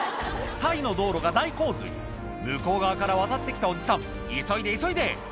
タイの道路が大洪水向こう側から渡って来たおじさん急いで急いで！